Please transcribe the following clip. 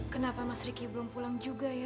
kenapa mas riki belum pulang juga ya